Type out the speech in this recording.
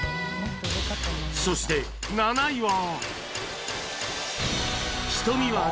そして７位は